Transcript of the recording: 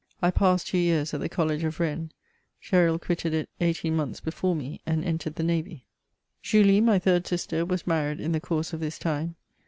I passed two years at the College of Bennes i Gresril quitted it dghteen months before me, and entered the navy. Julie, my third silater, was married in the course of this time.